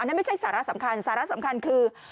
นั่นไม่ใช่สาระสำคัญสาระสำคัญคือ